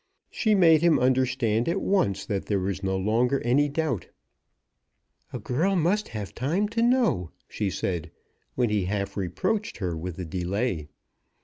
She made him understand at once that there was no longer any doubt. "A girl must have time to know," she said, when he half reproached her with the delay.